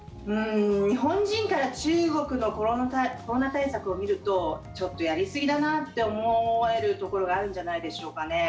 日本人から中国のコロナ対策を見るとちょっとやりすぎだなと思えるところがあるんじゃないでしょうかね。